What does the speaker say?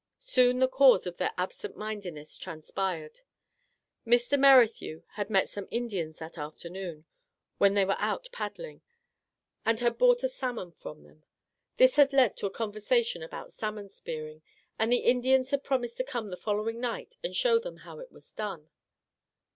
Soon the cause of their absent mindedness transpired. Mr. Merri thew had met some Indians that afternoon, when they were out paddling, and had bought 64 Our Little Canadian Cousin a salmon from them. This had led to a con versation about salmon spearing, and the In dians had promised to come the following night, and show them how it was done.